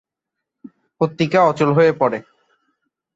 পত্রিকা অচল হয়ে পড়ে।